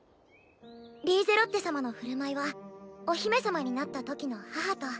リーゼロッテ様の振る舞いはお姫様になったときの母と。